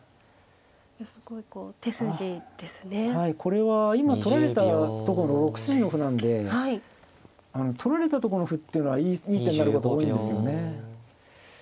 これは今取られたとこの６筋の歩なんで取られたとこの歩っていうのはいい手になること多いんですよね。